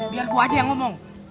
biar gue aja yang ngomong